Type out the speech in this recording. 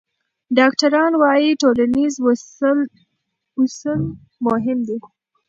ډاکټران وايي ټولنیز وصل مهم دی.